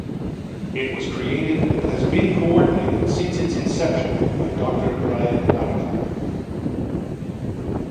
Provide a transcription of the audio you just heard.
It was created and has been coordinated since its inception by doctor Raed Arafat.